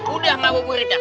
udah mah buk buk rida